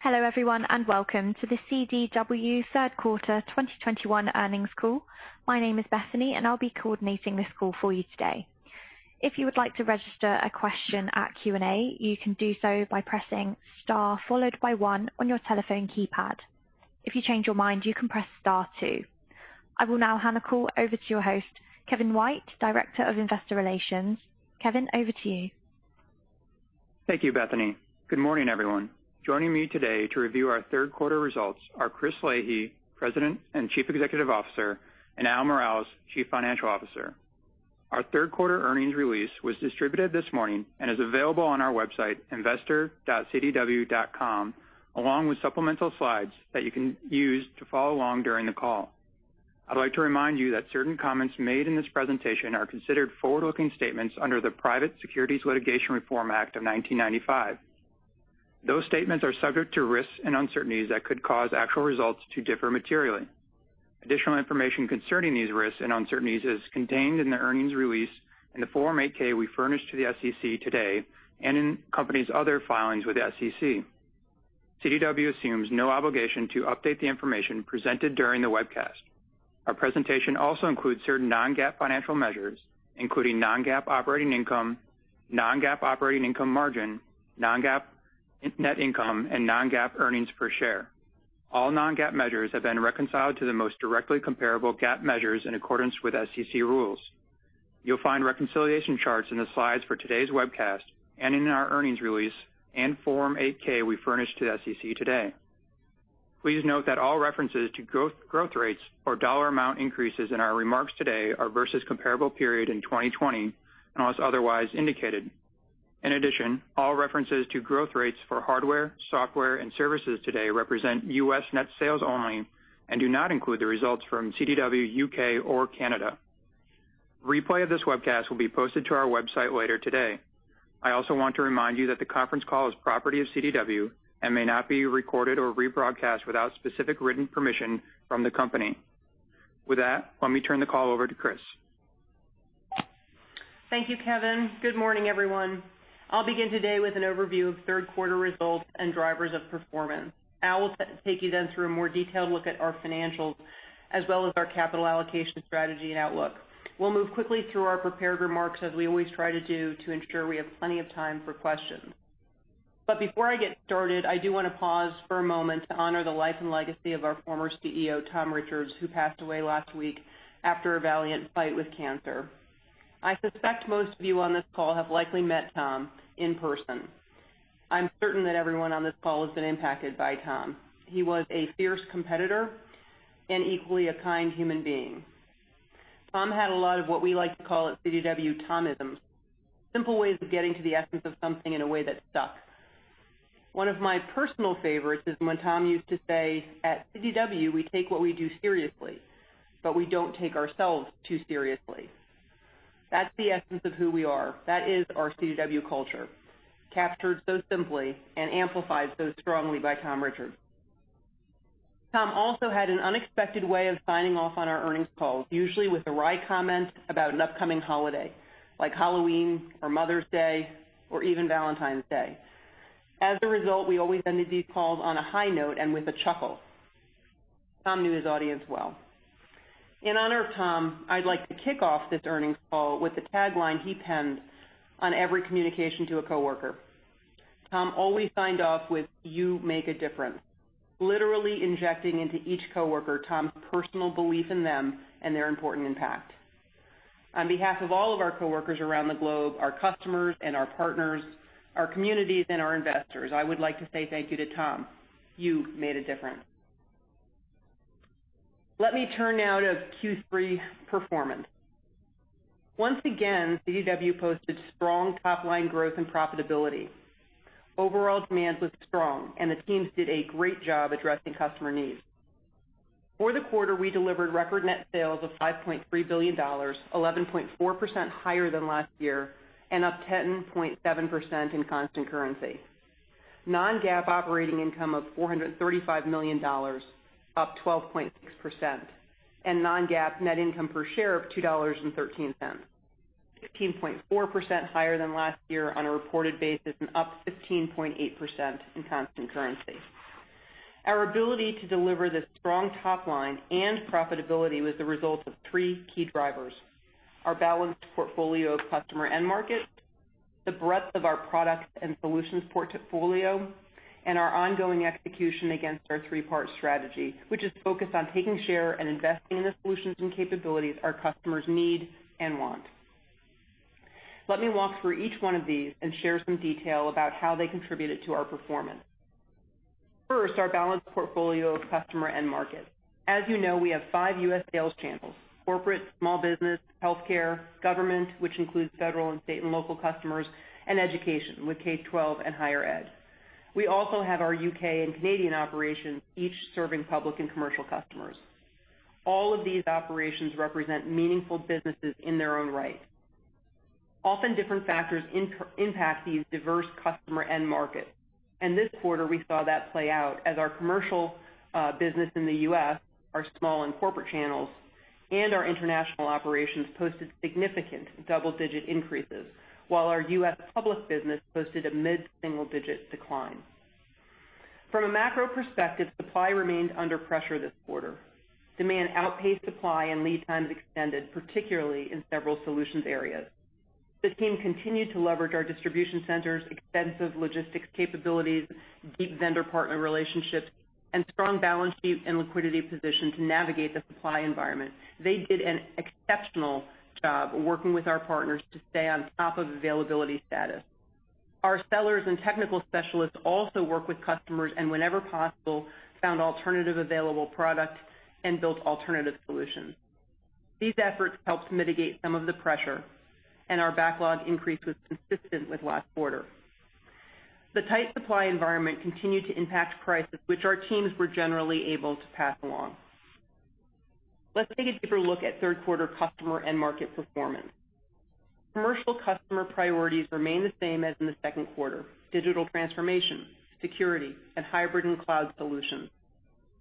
Hello, everyone, and welcome to the CDW Q3 2021 earnings call. My name is Bethany, and I'll be coordinating this call for you today. If you would like to register a question at Q&A, you can do so by pressing star followed by one on your telephone keypad. If you change your mind, you can press star two. I will now hand the call over to your host, Kevin White, Director of Investor Relations. Kevin, over to you. Thank you, Bethany. Good morning, everyone. Joining me today to review our Q3 results are Chris Leahy, President and Chief Executive Officer, and Al Miralles, Chief Financial Officer. Our Q3 earnings release was distributed this morning and is available on our website, investor.cdw.com, along with supplemental slides that you can use to follow along during the call. I'd like to remind you that certain comments made in this presentation are considered forward-looking statements under the Private Securities Litigation Reform Act of 1995. Those statements are subject to risks and uncertainties that could cause actual results to differ materially. Additional information concerning these risks and uncertainties is contained in the earnings release in the Form 8-K we furnished to the SEC today and in the company's other filings with the SEC. CDW assumes no obligation to update the information presented during the webcast. Our presentation also includes certain non-GAAP financial measures, including non-GAAP operating income, non-GAAP operating income margin, non-GAAP net income, and non-GAAP earnings per share. All non-GAAP measures have been reconciled to the most directly comparable GAAP measures in accordance with SEC rules. You'll find reconciliation charts in the slides for today's webcast and in our earnings release and Form 8-K we furnished to the SEC today. Please note that all references to growth rates, or dollar amount increases in our remarks today are versus comparable period in 2020 unless otherwise indicated. In addition, all references to growth rates for hardware, software, and services today represent U.S. net sales only and do not include the results from CDW UK or Canada. Replay of this webcast will be posted to our website later today. I also want to remind you that the conference call is property of CDW and may not be recorded or rebroadcast without specific written permission from the company. With that, let me turn the call over to Chris. Thank you, Kevin. Good morning, everyone. I'll begin today with an overview of Q3 results and drivers of performance. Al will take you then through a more detailed look at our financials as well as our capital allocation strategy and outlook. We'll move quickly through our prepared remarks, as we always try to do, to ensure we have plenty of time for questions. Before I get started, I do want to pause for a moment to honor the life and legacy of our former CEO, Tom Richards, who passed away last week after a valiant fight with cancer. I suspect most of you on this call have likely met Tom in person. I'm certain that everyone on this call has been impacted by Tom. He was a fierce competitor and equally a kind human being. Tom had a lot of what we like to call at CDW Tomisms, simple ways of getting to the essence of something in a way that stuck. One of my personal favorites is when Tom used to say, "At CDW, we take what we do seriously, but we don't take ourselves too seriously." That's the essence of who we are. That is our CDW culture, captured so simply and amplified so strongly by Tom Richards. Tom also had an unexpected way of signing off on our earnings calls, usually with a wry comment about an upcoming holiday, like Halloween or Mother's Day or even Valentine's Day. As a result, we always ended these calls on a high note and with a chuckle. Tom knew his audience well. In honor of Tom, I'd like to kick off this earnings call with the tagline he penned on every communication to a coworker. Tom always signed off with, "You make a difference," literally injecting into each coworker Tom's personal belief in them and their important impact. On behalf of all of our coworkers around the globe, our customers and our partners, our communities, and our investors, I would like to say thank you to Tom. You made a difference. Let me turn now to Q3 performance. Once again, CDW posted strong top-line growth and profitability. Overall demand was strong, and the teams did a great job addressing customer needs. For the quarter, we delivered record net sales of $5.3 billion, 11.4% higher than last year and up 10.7% in constant currency. non-GAAP operating income of $435 million, up 12.6%. non-GAAP net income per share of $2.13, 15.4% higher than last year on a reported basis and up 15.8% in constant currency. Our ability to deliver this strong top line and profitability was the result of three key drivers, our balanced portfolio of customer end markets, the breadth of our products and solutions portfolio, and our ongoing execution against our three-part strategy, which is focused on taking share and investing in the solutions and capabilities our customers need and want. Let me walk through each one of these and share some detail about how they contributed to our performance. First, our balanced portfolio of customer end markets. As you know, we have five U.S. sales channels, corporate, small business, healthcare, government, which includes federal and state and local customers, and education with K12 and higher ed. We also have our U.K. and Canadian operations, each serving public and commercial customers. All of these operations represent meaningful businesses in their own right. Often different factors inter-impact these diverse customer end markets, and this quarter we saw that play out as our commercial business in the U.S., our small and corporate channels and our international operations posted significant double-digit increases, while our U.S. public business posted a mid-single-digit decline. From a macro perspective, supply remained under pressure this quarter. Demand outpaced supply and lead times extended, particularly in several solutions areas. The team continued to leverage our distribution centers, extensive logistics capabilities, deep vendor partner relationships, and strong balance sheet and liquidity position to navigate the supply environment. They did an exceptional job working with our partners to stay on top of availability status. Our sellers and technical specialists also work with customers and whenever possible, found alternative available product and built alternative solutions. These efforts helped mitigate some of the pressure, and our backlog increase was consistent with last quarter. The tight supply environment continued to impact prices, which our teams were generally able to pass along. Let's take a deeper look at Q3 customer and market performance. Commercial customer priorities remain the same as in the Q2, digital transformation, security, and hybrid and cloud solutions.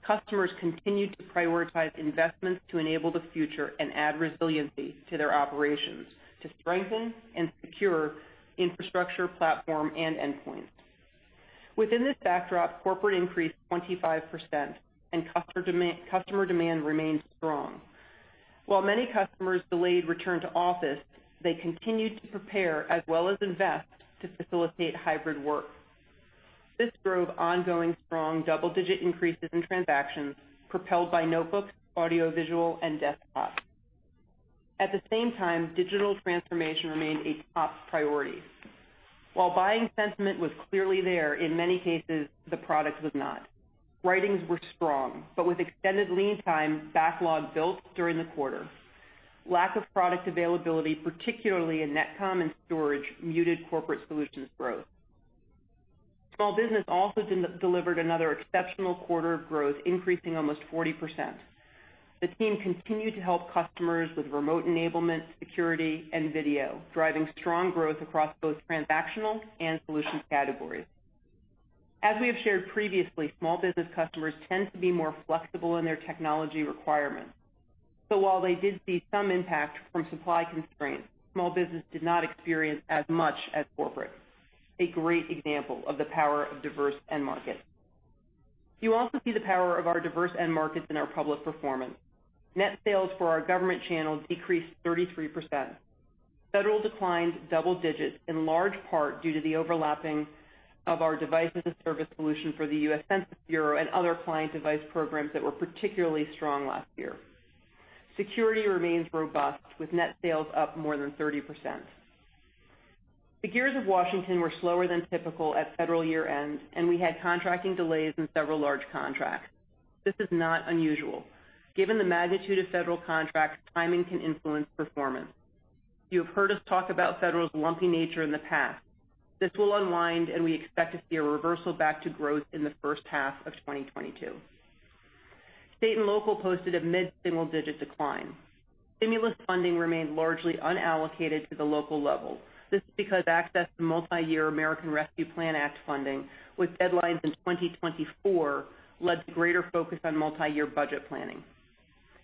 Customers continued to prioritize investments to enable the future and add resiliency to their operations to strengthen and secure infrastructure, platform, and endpoints. Within this backdrop, corporate increased 25% and customer demand remained strong. While many customers delayed return to office, they continued to prepare as well as invest to facilitate hybrid work. This drove ongoing strong double-digit increases in transactions propelled by notebooks, audiovisual, and desktops. At the same time, digital transformation remained a top priority. While buying sentiment was clearly there, in many cases, the product was not. Writings were strong, but with extended lead time, backlog built during the quarter. Lack of product availability, particularly in Netcom and storage, muted Corporate Solutions growth. Small Business also delivered another exceptional quarter of growth, increasing almost 40%. The team continued to help customers with remote enablement, security, and video, driving strong growth across both transactional and solution categories. As we have shared previously, Small Business customers tend to be more flexible in their technology requirements. While they did see some impact from supply constraints, Small Business did not experience as much as corporate. A great example of the power of diverse end markets. You also see the power of our diverse end markets in our public performance. Net sales for our government channels decreased 33%. Federal declined double digits, in large part due to the overlapping of our Device as a Service solution for the U.S. Census Bureau and other client device programs that were particularly strong last year. Security remains robust, with net sales up more than 30%. The gears of Washington were slower than typical at federal year-end, and we had contracting delays in several large contracts. This is not unusual. Given the magnitude of federal contracts, timing can influence performance. You have heard us talk about federal's lumpy nature in the past. This will unwind, and we expect to see a reversal back to growth in the H1 of 2022. State and local posted a mid-single-digit decline. Stimulus funding remained largely unallocated to the local level. This is because access to multiyear American Rescue Plan Act funding, with deadlines in 2024, led to greater focus on multiyear budget planning.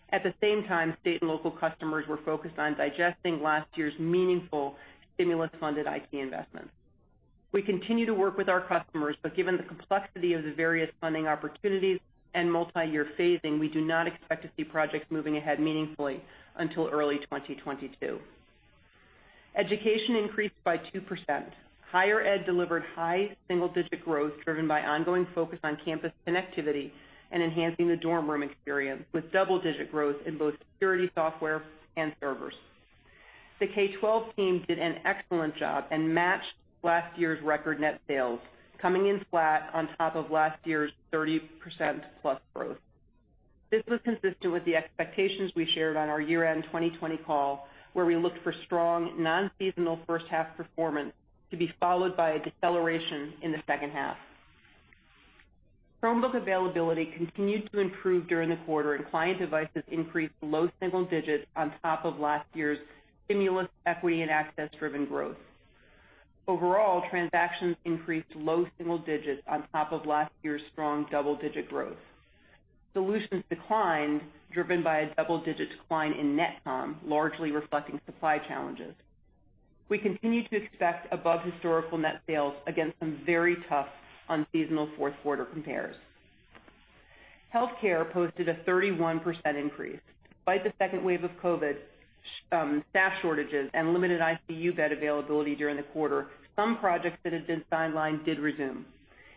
At the same time, state and local customers were focused on digesting last year's meaningful stimulus-funded IT investments. We continue to work with our customers, but given the complexity of the various funding opportunities and multiyear phasing, we do not expect to see projects moving ahead meaningfully until early 2022. Education increased by 2%. Higher ed delivered high single-digit growth driven by ongoing focus on campus connectivity and enhancing the dorm room experience with double-digit growth in both security software and servers. The K12 team did an excellent job and matched last year's record net sales, coming in flat on top of last year's 30%+ growth. This was consistent with the expectations we shared on our year-end 2020 call, where we looked for strong non-seasonal first-half performance to be followed by a deceleration in the H2. Chromebook availability continued to improve during the quarter, and client devices increased low single digits on top of last year's stimulus, equity, and access-driven growth. Overall, transactions increased low single digits on top of last year's strong double-digit growth. Solutions declined, driven by a double-digit decline in Netcom, largely reflecting supply challenges. We continue to expect above historical net sales against some very tough unseasonal fourth-quarter compares. Healthcare posted a 31% increase. Despite the second wave of COVID, staff shortages, and limited ICU bed availability during the quarter, some projects that had been sidelined did resume.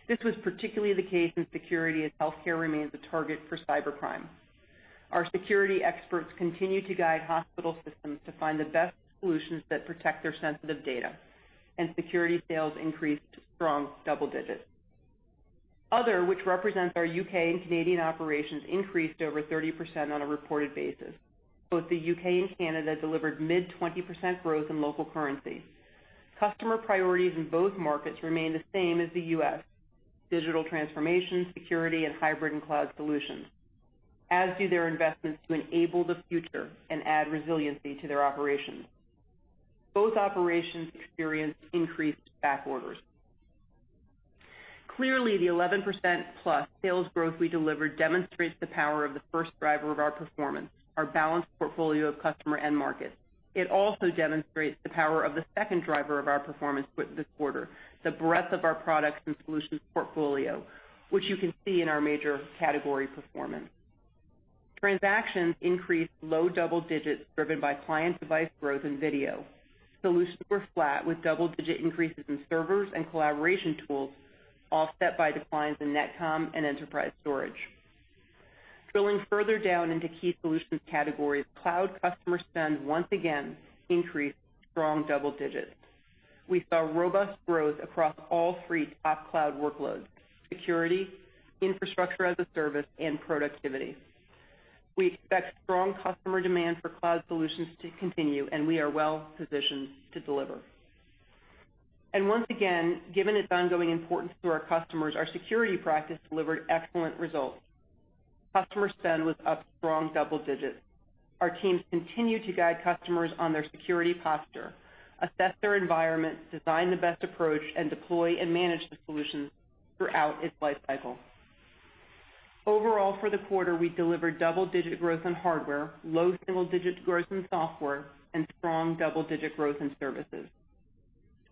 This was particularly the case in security, as healthcare remains a target for cybercrime. Our security experts continue to guide hospital systems to find the best solutions that protect their sensitive data, and security sales increased in strong double digits. Other, which represents our U.K. and Canadian operations, increased over 30% on a reported basis. Both the U.K. and Canada delivered mid-20% growth in local currency. Customer priorities in both markets remain the same as the U.S., digital transformation, security, and hybrid and cloud solutions, as do their investments to enable the future and add resiliency to their operations. Both operations experienced increased backorders. Clearly, the 11%+ sales growth we delivered demonstrates the power of the first driver of our performance, our balanced portfolio of customer and market. It also demonstrates the power of the second driver of our performance with this quarter, the breadth of our products and solutions portfolio, which you can see in our major category performance. Transactions increased low double digits driven by client device growth and video. Solutions were flat with double-digit increases in servers and collaboration tools, offset by declines in Netcom and enterprise storage. Drilling further down into key solutions categories, cloud customer spend once again increased strong double digits. We saw robust growth across all three top cloud workloads, security, infrastructure as a service, and productivity. We expect strong customer demand for cloud solutions to continue, and we are well-positioned to deliver. Once again, given its ongoing importance to our customers, our security practice delivered excellent results. Customer spend was up strong double digits. Our teams continue to guide customers on their security posture, assess their environment, design the best approach, and deploy and manage the solution throughout its life cycle. Overall, for the quarter, we delivered double-digit growth in hardware, low single-digit growth in software, and strong double-digit growth in services.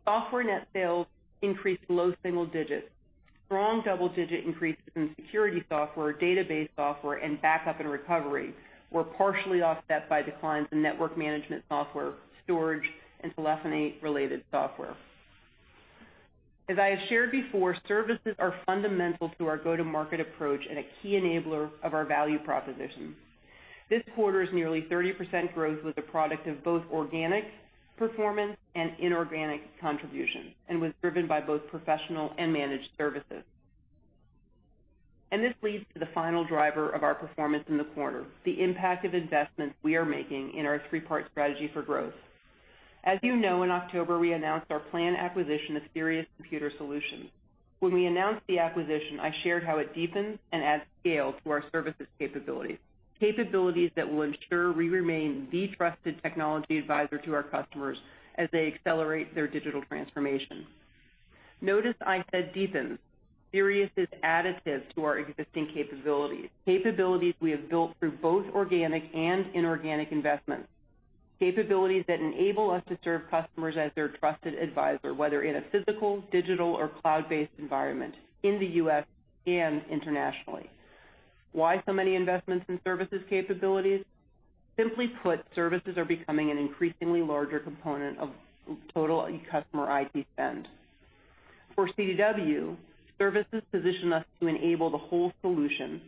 Software net sales increased low single digits. Strong double-digit increases in security software, database software, and backup and recovery were partially offset by declines in network management software, storage, and telephony-related software. As I have shared before, services are fundamental to our go-to-market approach and a key enabler of our value proposition. This quarter's nearly 30% growth was a product of both organic performance and inorganic contributions, and was driven by both professional and managed services. This leads to the final driver of our performance in the quarter, the impact of investments we are making in our three-part strategy for growth. As you know, in October, we announced our planned acquisition of Sirius Computer Solutions. When we announced the acquisition, I shared how it deepens and adds scale to our services capabilities. Capabilities that will ensure we remain the trusted technology advisor to our customers as they accelerate their digital transformation. Notice I said deepens. Sirius is additive to our existing capabilities we have built through both organic and inorganic investments, capabilities that enable us to serve customers as their trusted advisor, whether in a physical, digital, or cloud-based environment, in the U.S. and internationally. Why so many investments in services capabilities? Simply put, services are becoming an increasingly larger component of total customer IT spend. For CDW, services position us to enable the whole solution,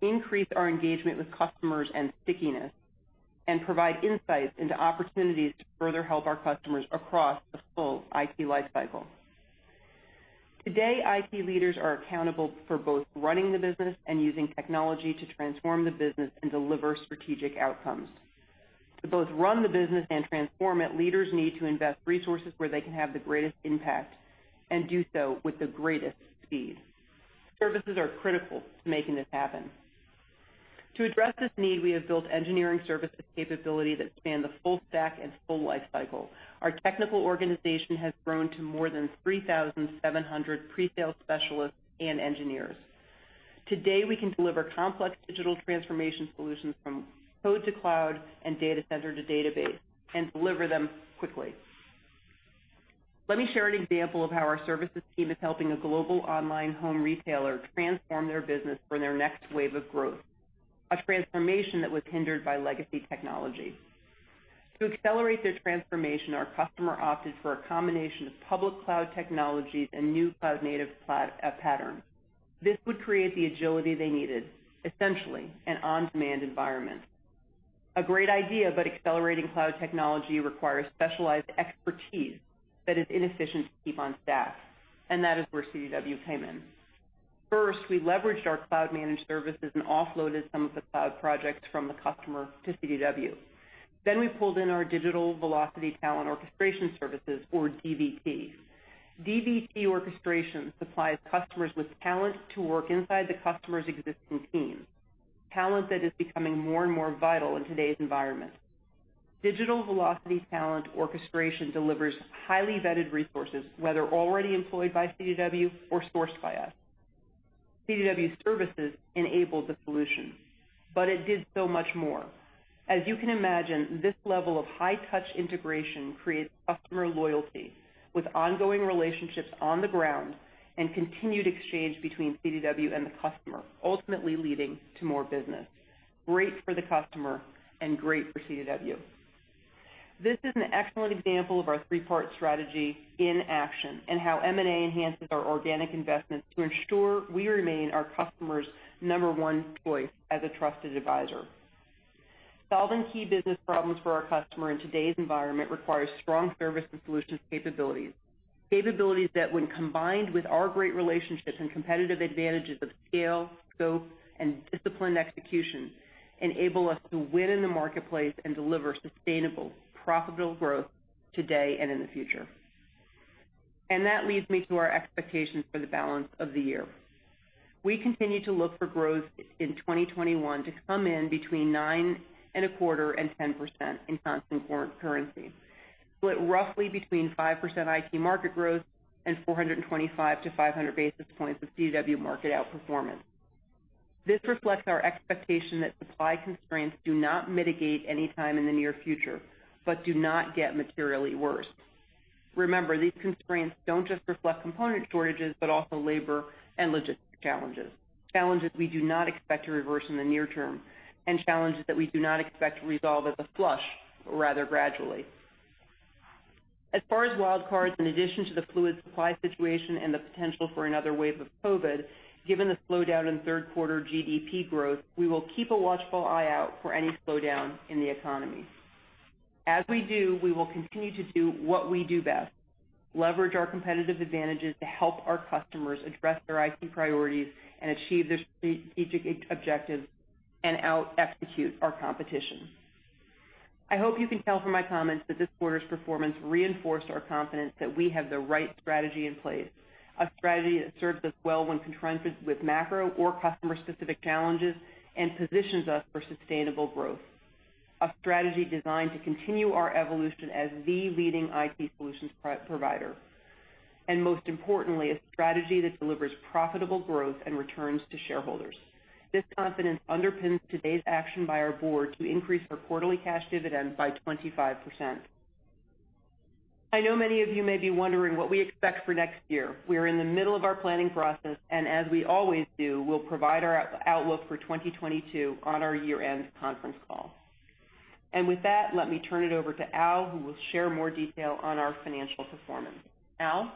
increase our engagement with customers and stickiness, and provide insights into opportunities to further help our customers across the full IT life cycle. Today, IT leaders are accountable for both running the business and using technology to transform the business and deliver strategic outcomes. To both run the business and transform it, leaders need to invest resources where they can have the greatest impact and do so with the greatest speed. Services are critical to making this happen. To address this need, we have built engineering services capability that span the full stack and full life cycle. Our technical organization has grown to more than 3,700 pre-sale specialists and engineers. Today, we can deliver complex digital transformation solutions from code to cloud and data center to database, and deliver them quickly. Let me share an example of how our services team is helping a global online home retailer transform their business for their next wave of growth, a transformation that was hindered by legacy technology. To accelerate their transformation, our customer opted for a combination of public cloud technologies and new cloud-native patterns. This would create the agility they needed, essentially an on-demand environment. A great idea, but accelerating cloud technology requires specialized expertise that is inefficient to keep on staff, and that is where CDW came in. First, we leveraged our cloud managed services and offloaded some of the cloud projects from the customer to CDW. Then we pulled in our Digital Velocity Talent Orchestration services, or DVT. DVT orchestration supplies customers with talent to work inside the customer's existing teams, talent that is becoming more and more vital in today's environment. Digital Velocity Talent Orchestration delivers highly vetted resources, whether already employed by CDW or sourced by us. CDW services enabled the solution, but it did so much more. As you can imagine, this level of high-touch integration creates customer loyalty with ongoing relationships on the ground and continued exchange between CDW and the customer, ultimately leading to more business. Great for the customer and great for CDW. This is an excellent example of our three-part strategy in action and how M&A enhances our organic investments to ensure we remain our customers' number one choice as a trusted advisor. Solving key business problems for our customer in today's environment requires strong service and solutions capabilities. Capabilities that when combined with our great relationships and competitive advantages of scale, scope, and disciplined execution, enable us to win in the marketplace and deliver sustainable, profitable growth today and in the future. That leads me to our expectations for the balance of the year. We continue to look for growth in 2021 to come in between 9.25% and 10% in constant currency. Split roughly between 5% IT market growth and 425-500 basis points of CDW market outperformance. This reflects our expectation that supply constraints do not mitigate any time in the near future, but do not get materially worse. Remember, these constraints don't just reflect component shortages, but also labor and logistics challenges we do not expect to reverse in the near term, and challenges that we do not expect to resolve as a flush but rather gradually. As far as wild cards, in addition to the fluid supply situation and the potential for another wave of COVID, given the slowdown in Q3 GDP growth, we will keep a watchful eye out for any slowdown in the economy. As we do, we will continue to do what we do best, leverage our competitive advantages to help our customers address their IT priorities and achieve their strategic objectives and out execute our competition. I hope you can tell from my comments that this quarter's performance reinforced our confidence that we have the right strategy in place, a strategy that serves us well when confronted with macro or customer-specific challenges and positions us for sustainable growth. A strategy designed to continue our evolution as the leading IT solutions provider, and most importantly, a strategy that delivers profitable growth and returns to shareholders. This confidence underpins today's action by our board to increase our quarterly cash dividend by 25%. I know many of you may be wondering what we expect for next year. We are in the middle of our planning process, and as we always do, we'll provide our outlook for 2022 on our year-end conference call. With that, let me turn it over to Al, who will share more detail on our financial performance. Al?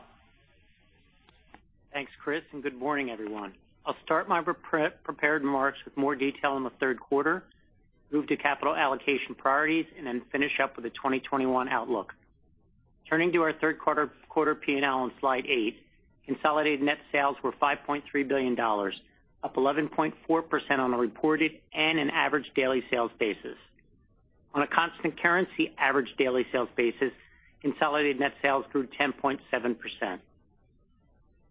Thanks, Chris, and good morning, everyone. I'll start my prepared remarks with more detail on the Q3, move to capital allocation priorities, and then finish up with the 2021 outlook. Turning to our Q3 P&L on slide eight, consolidated net sales were $5.3 billion, up 11.4% on a reported and an average daily sales basis. On a constant currency average daily sales basis, consolidated net sales grew 10.7%.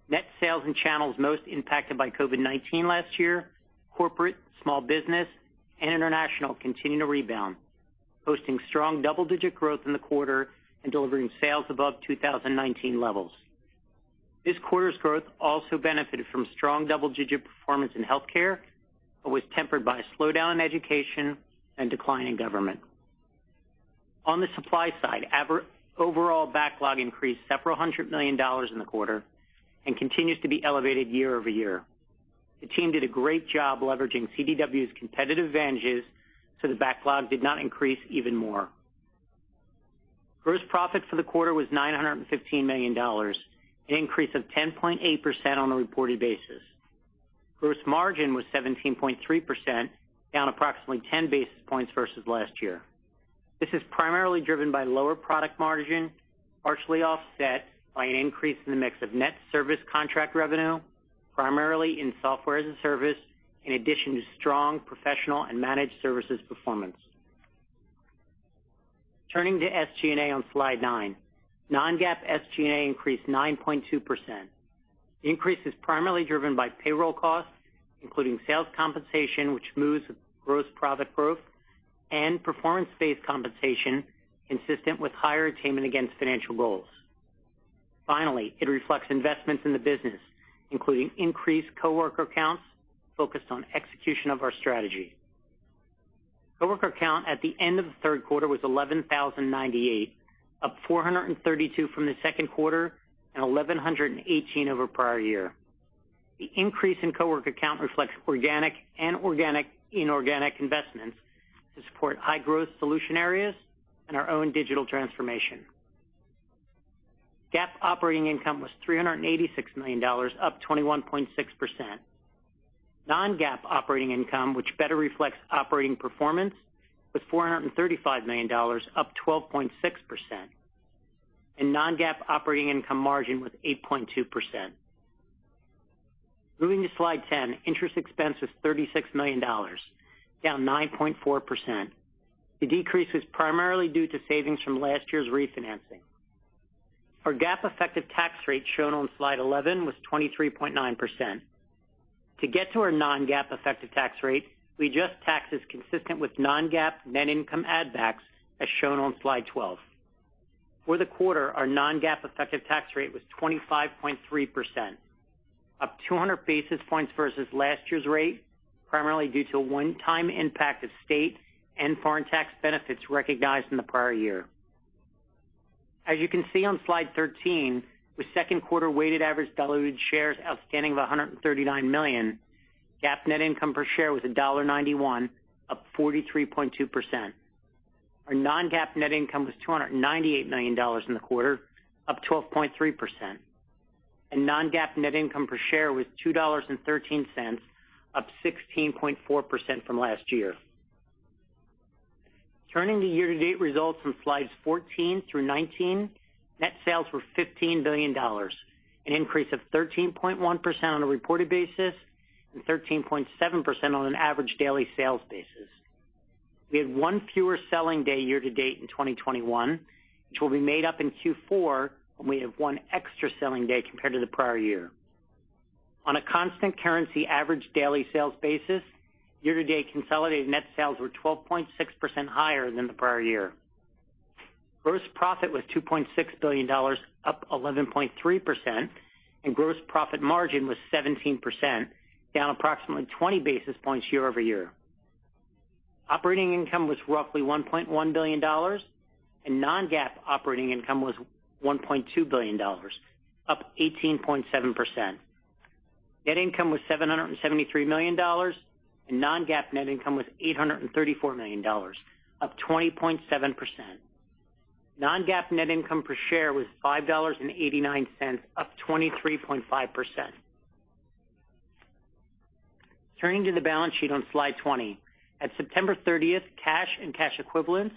Net sales in channels most impacted by COVID-19 last year, corporate, small business, and international continued to rebound, posting strong double-digit growth in the quarter and delivering sales above 2019 levels. This quarter's growth also benefited from strong double-digit performance in healthcare, but was tempered by a slowdown in education and decline in government. On the supply side, overall backlog increased several hundred million dollars in the quarter and continues to be elevated year over year. The team did a great job leveraging CDW's competitive advantages, so the backlog did not increase even more. Gross profit for the quarter was $915 million, an increase of 10.8% on a reported basis. Gross margin was 17.3%, down approximately 10 basis points versus last year. This is primarily driven by lower product margin, partially offset by an increase in the mix of net service contract revenue, primarily in software as a service, in addition to strong professional and managed services performance. Turning to SG&A on slide nine. Non-GAAP SG&A increased 9.2%. The increase is primarily driven by payroll costs, including sales compensation, which moves with gross profit growth and performance-based compensation consistent with higher attainment against financial goals. Finally, it reflects investments in the business, including increased coworker counts focused on execution of our strategy. Coworker count at the end of the Q3 was 11,098, up 432 from the Q2 and 1,118 over prior year. The increase in coworker count reflects organic and inorganic investments to support high-growth solution areas and our own digital transformation. GAAP operating income was $386 million, up 21.6%. Non-GAAP operating income, which better reflects operating performance, was $435 million, up 12.6%. Non-GAAP operating income margin was 8.2%. Moving to slide 10, interest expense was $36 million, down 9.4%. The decrease was primarily due to savings from last year's refinancing. Our GAAP effective tax rate shown on slide 11 was 23.9%. To get to our non-GAAP effective tax rate, we adjust taxes consistent with non-GAAP net income add backs, as shown on slide 12. For the quarter, our non-GAAP effective tax rate was 25.3%, up 200 basis points versus last year's rate, primarily due to a one-time impact of state and foreign tax benefits recognized in the prior year. As you can see on slide 13, with Q2 weighted average diluted shares outstanding of 139 million, GAAP net income per share was $1.91, up 43.2%. Our non-GAAP net income was $298 million in the quarter, up 12.3%. Non-GAAP net income per share was $2.13, up 16.4% from last year. Turning to year-to-date results on slides 14 through 19. Net sales were $15 billion, an increase of 13.1% on a reported basis, and 13.7% on an average daily sales basis. We had one fewer selling day year-to-date in 2021, which will be made up in Q4 when we have one extra selling day compared to the prior year. On a constant currency average daily sales basis, year-to-date consolidated net sales were 12.6% higher than the prior year. Gross profit was $2.6 billion, up 11.3%, and gross profit margin was 17%, down approximately 20 basis points year over year. Operating income was roughly $1.1 billion, and non-GAAP operating income was $1.2 billion, up 18.7%. Net income was $773 million, and non-GAAP net income was $834 million, up 20.7%. Non-GAAP net income per share was $5.89, up 23.5%. Turning to the balance sheet on slide 20. At 30 September, cash and cash equivalents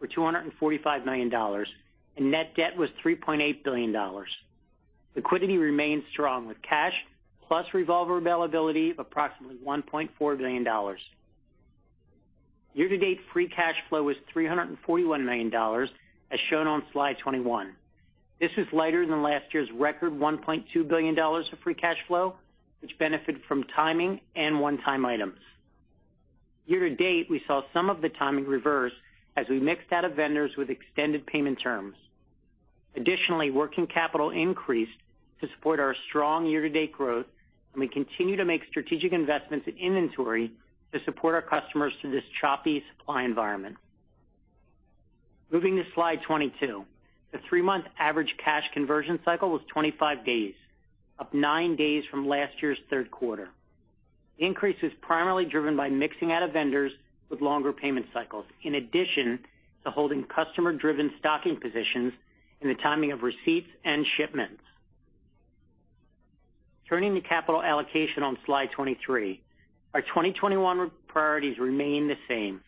were $245 million, and net debt was $3.8 billion. Liquidity remains strong, with cash plus revolver availability of approximately $1.4 billion. Year-to-date free cash flow was $341 million, as shown on slide 21. This is lighter than last year's record $1.2 billion of free cash flow, which benefited from timing and one-time items. Year-to-date, we saw some of the timing reverse as we mixed out of vendors with extended payment terms. Additionally, working capital increased to support our strong year-to-date growth, and we continue to make strategic investments in inventory to support our customers through this choppy supply environment. Moving to slide 22. The three-month average cash conversion cycle was 25 days, up nine days from last year's Q3. The increase was primarily driven by mixing out of vendors with longer payment cycles, in addition to holding customer-driven stocking positions and the timing of receipts and shipments. Turning to capital allocation on slide 23. Our 2021 priorities remain the same.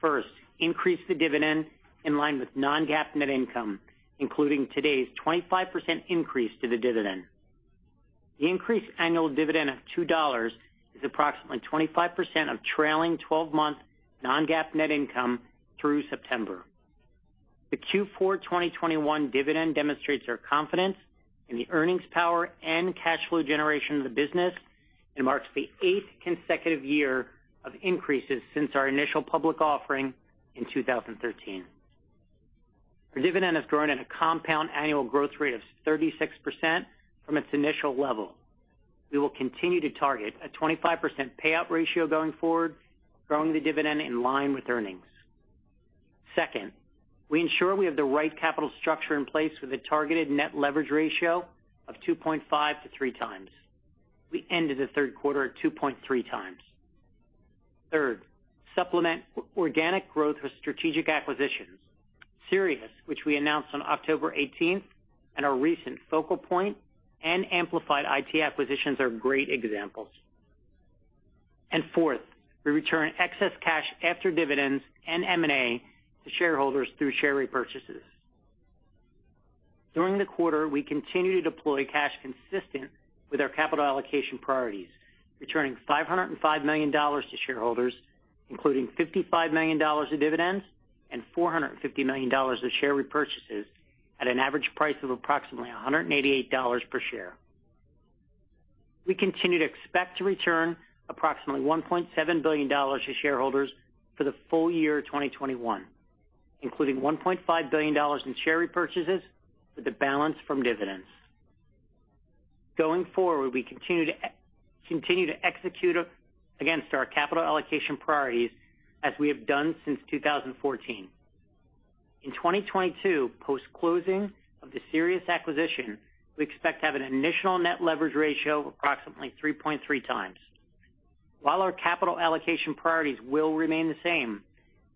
First, increase the dividend in line with non-GAAP net income, including today's 25% increase to the dividend. The increased annual dividend of $2 is approximately 25% of trailing twelve-month non-GAAP net income through September. The Q4 2021 dividend demonstrates our confidence in the earnings power and cash flow generation of the business and marks the 8th consecutive year of increases since our initial public offering in 2013. Our dividend has grown at a compound annual growth rate of 36% from its initial level. We will continue to target a 25% payout ratio going forward, growing the dividend in line with earnings. Second, we ensure we have the right capital structure in place with a targeted net leverage ratio of 2.5-3x. We ended the Q3 at 2.3x. Third, supplement organic growth with strategic acquisitions. Sirius, which we announced on October eighteenth, and our recent Focal Point and Amplified IT acquisitions are great examples. Fourth, we return excess cash after dividends and M&A to shareholders through share repurchases. During the quarter, we continued to deploy cash consistent with our capital allocation priorities, returning $505 million to shareholders, including $55 million of dividends and $450 million of share repurchases at an average price of approximately $188 per share. We continue to expect to return approximately $1.7 billion to shareholders for the full year 2021, including $1.5 billion in share repurchases with the balance from dividends. Going forward, we continue to execute against our capital allocation priorities as we have done since 2014. In 2022, post-closing of the Sirius acquisition, we expect to have an initial net leverage ratio of approximately 3.3 times. While our capital allocation priorities will remain the same,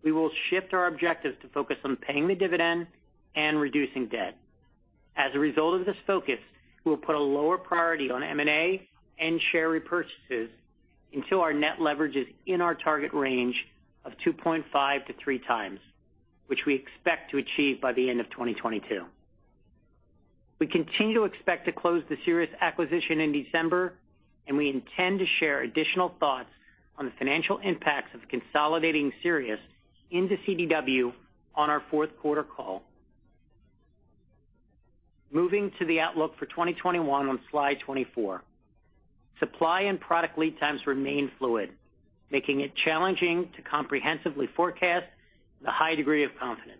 we will shift our objectives to focus on paying the dividend and reducing debt. As a result of this focus, we'll put a lower priority on M&A and share repurchases until our net leverage is in our target range of 2.5 to three times, which we expect to achieve by the end of 2022. We continue to expect to close the Sirius acquisition in December, and we intend to share additional thoughts on the financial impacts of consolidating Sirius into CDW on our Q4 call. Moving to the outlook for 2021 on slide 24. Supply and product lead times remain fluid, making it challenging to comprehensively forecast with a high degree of confidence.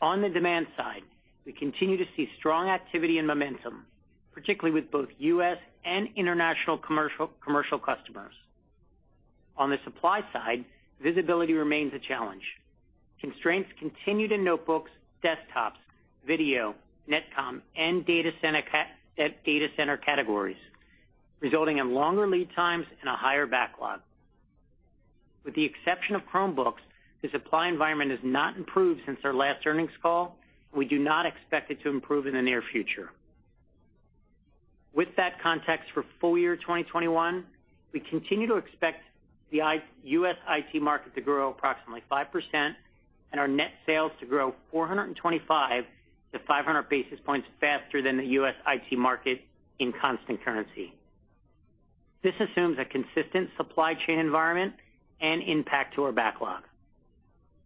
On the demand side, we continue to see strong activity and momentum, particularly with both U.S. and international commercial customers. On the supply side, visibility remains a challenge. Constraints continue to notebooks, desktops, video, Netcom, and data center categories, resulting in longer lead times and a higher backlog. With the exception of Chromebooks, the supply environment has not improved since our last earnings call, and we do not expect it to improve in the near future. With that context for full year 2021, we continue to expect the U.S. IT market to grow approximately 5% and our net sales to grow 425-500 basis points faster than the U.S. IT market in constant currency. This assumes a consistent supply chain environment and impact to our backlog.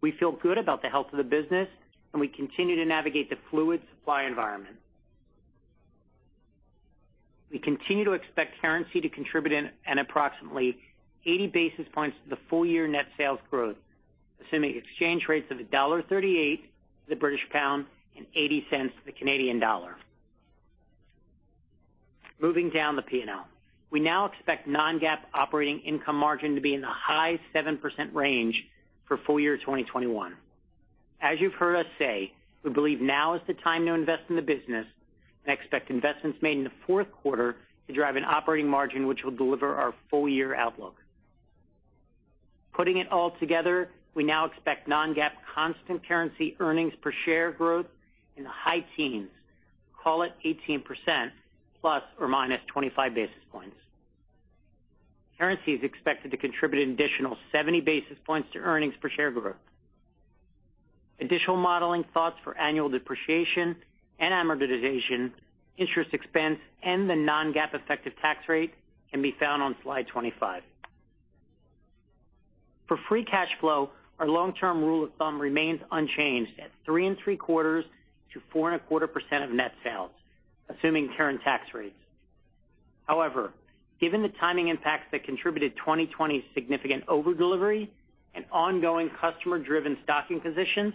We feel good about the health of the business, and we continue to navigate the fluid supply environment. We continue to expect currency to contribute in at approximately 80 basis points to the full-year net sales growth, assuming exchange rates of $1.38 to the British pound and $0.80 to the Canadian dollar. Moving down the P&L. We now expect non-GAAP operating income margin to be in the high 7% range for full year 2021. As you've heard us say, we believe now is the time to invest in the business and expect investments made in the Q4 to drive an operating margin which will deliver our full year outlook. Putting it all together, we now expect non-GAAP constant currency earnings per share growth in the high teens. Call it 18% plus or minus 25 basis points. Currency is expected to contribute an additional 70 basis points to earnings per share growth. Additional modeling thoughts for annual depreciation and amortization, interest expense, and the non-GAAP effective tax rate can be found on slide 25. For free cash flow, our long-term rule of thumb remains unchanged at 3.75%-4.25% of net sales, assuming current tax rates. However, given the timing impacts that contributed 2020's significant over delivery and ongoing customer driven stocking positions,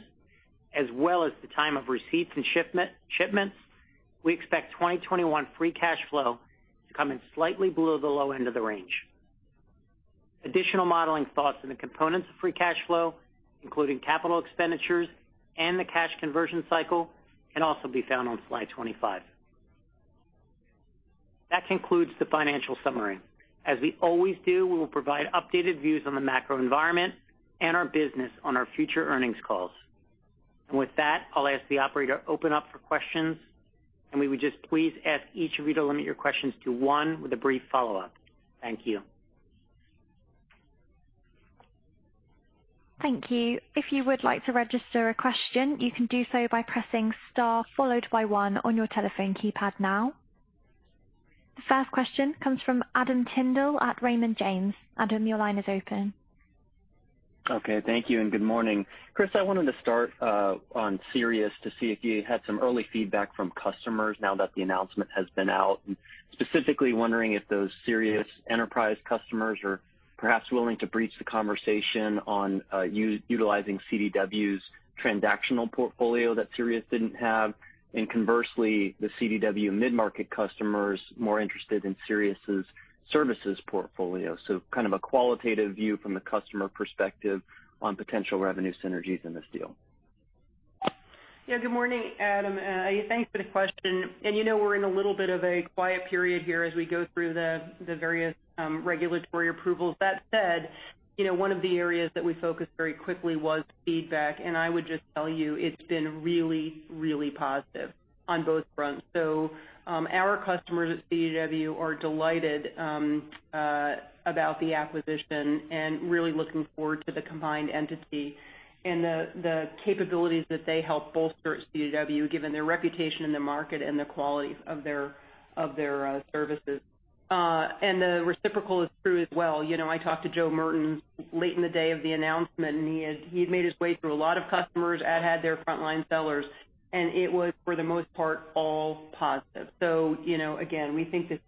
as well as the time of receipts and shipments, we expect 2021 free cash flow to come in slightly below the low end of the range. Additional modeling thoughts on the components of free cash flow, including capital expenditures and the cash conversion cycle, can also be found on slide 25. That concludes the financial summary. As we always do, we will provide updated views on the macro environment and our business on our future earnings calls. With that, I'll ask the operator to open up for questions, and we would just please ask each of you to limit your questions to one with a brief follow up. Thank you. Thank you. If you would like to register a question, you can do so by pressing star followed by one on your telephone keypad now. The first question comes from Adam Tindle at Raymond James. Adam, your line is open. Okay, thank you and good morning. Chris, I wanted to start on Sirius to see if you had some early feedback from customers now that the announcement has been out. Specifically wondering if those Sirius enterprise customers are perhaps willing to broach the conversation on utilizing CDW's transactional portfolio that Sirius didn't have, and conversely, the CDW mid-market customers more interested in Sirius's services portfolio. Kind of a qualitative view from the customer perspective on potential revenue synergies in this deal. Yeah, good morning, Adam. Thanks for the question. You know, we're in a little bit of a quiet period here as we go through the various regulatory approvals. That said, you know, one of the areas that we focused very quickly was feedback, and I would just tell you it's been really, really positive on both fronts. Our customers at CDW are delighted about the acquisition and really looking forward to the combined entity and the capabilities that they help bolster at CDW, given their reputation in the market and the quality of their services. The reciprocal is true as well. You know, I talked to Joe Merten late in the day of the announcement, and he had made his way through a lot of customers, as had their frontline sellers, and it was, for the most part, all positive. You know, again, we think that